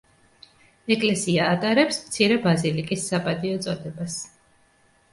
ეკლესია ატარებს „მცირე ბაზილიკის“ საპატიო წოდებას.